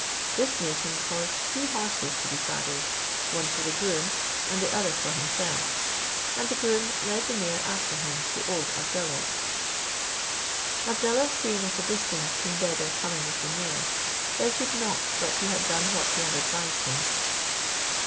This made him cause two horses to be saddled, one for the groom and the other for himself; and the groom led the mare after him to old Abdallah's. Abdallah seeing at a distance King Beder coming with the mare, doubted not but he had done what he had advised him.